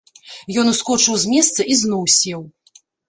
Ён ускочыў з месца і зноў сеў.